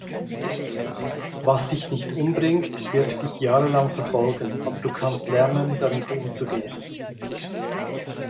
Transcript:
Was dich nicht umbringt, wird dich jahrelang verfolgen, aber du kannst lernen, damit umzugehen.